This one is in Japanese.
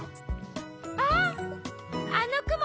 あっあのくも